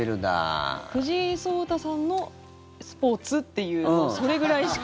藤井聡太さんのスポーツっていうそれぐらいしか。